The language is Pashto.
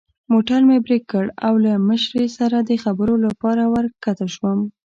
موټر مې برېک کړ او له مشرې سره د خبرو لپاره ور کښته شوم.